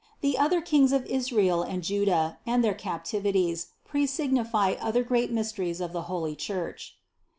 The other kings of Israel and Juda and their captivities presignify other great mysteries of the holy Church.